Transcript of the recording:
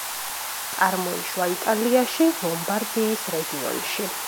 წარმოიშვა იტალიაში, ლომბარდიის რეგიონში.